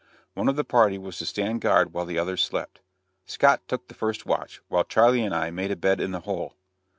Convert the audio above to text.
One of the party was to stand guard while the others slept. Scott took the first watch, while Charley and I made a bed in the hole.